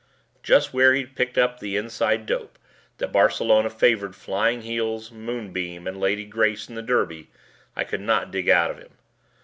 Just where he'd picked up the inside dope that Barcelona favored Flying Heels, Moonbeam, and Lady Grace in the Derby I could not dig out of him.